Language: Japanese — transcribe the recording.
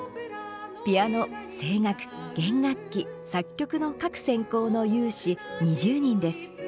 ピアノ、声楽、弦楽器作曲の各専攻の有志２０人です。